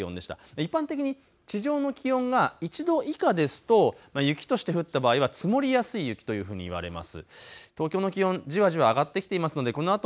一般的に地上の気温が１度以下ですと雪として降った場合は積もりやすい雪といわれます。